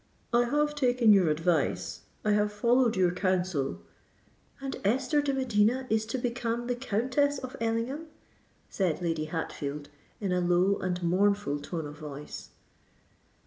"I have taken your advice—I have followed your counsel——" "And Esther de Medina is to become the Countess of Ellingham?" said Lady Hatfield, in a low and mournful tone of voice.